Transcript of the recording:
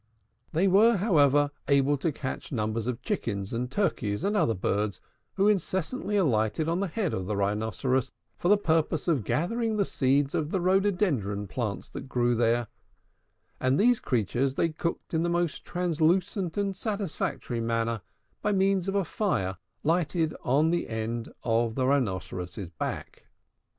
They were, however, able to catch numbers of the chickens and turkeys and other birds who incessantly alighted on the head of the Rhinoceros for the purpose of gathering the seeds of the rhododendron plants which grew there; and these creatures they cooked in the most translucent and satisfactory manner by means of a fire lighted on the end of the Rhinoceros's back.